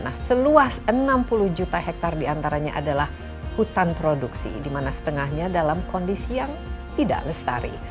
nah seluas enam puluh juta hektare diantaranya adalah hutan produksi di mana setengahnya dalam kondisi yang tidak lestari